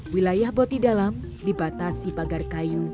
wilayah boti dalam dibatasi pagar kayu